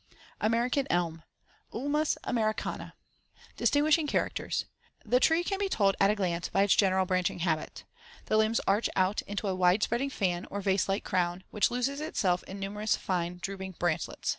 AMERICAN ELM (Ulmus americana) Distinguishing characters: The tree can be told at a glance by its general branching habit. The limbs arch out into a wide spreading *fan or vase like crown* which loses itself in numerous fine drooping branchlets.